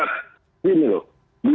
karena ini bukan vinu